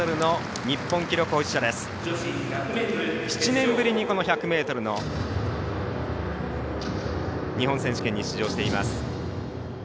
７年ぶりの１００ｍの日本選手権に出場しています。